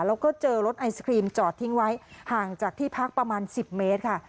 แล้วก็เจอรถไอศครีมจอดทิ้งไว้ห่างจากที่พักประมาณ๑๐เมตรค่ะ